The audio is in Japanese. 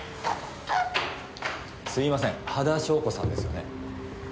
すいません羽田祥子さんですよね？